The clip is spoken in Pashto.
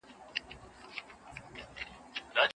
که پاملرنه ونه سي دولت به زوال ومومي.